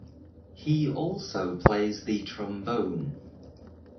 He also plays the trombone.